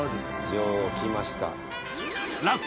女王きました。